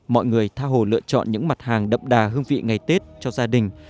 mọi người tha hồ lựa chọn những mặt hàng đậm đà hương vị ngày tết cho gia đình